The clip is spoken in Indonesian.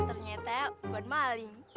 ternyata bukan maling